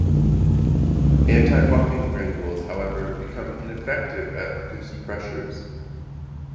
Anti-bumping granules, however, become ineffective at reduced pressures.